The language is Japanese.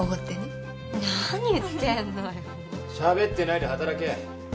しゃべってないで働け。